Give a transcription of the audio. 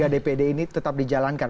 tiga dpd ini tetap dijalankan